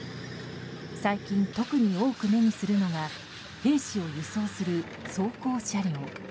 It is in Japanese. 最近特に多く目にするのが兵士を輸送する装甲車両。